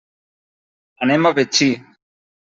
Anem a Betxí.